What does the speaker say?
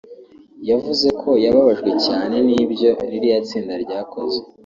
yavuze ko yababajwe cyane n’ibyo ririya tsinda ryakoze